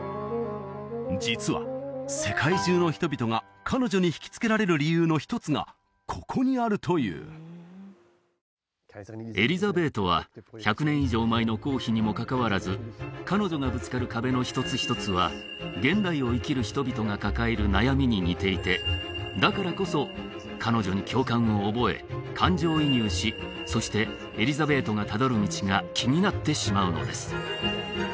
実は世界中の人々が彼女に引きつけられる理由の一つがここにあるというエリザベートは１００年以上前の皇妃にもかかわらず彼女がぶつかる壁の一つ一つは現代を生きる人々が抱える悩みに似ていてだからこそ彼女に共感を覚え感情移入しそしてエリザベートがたどる道が気になってしまうのです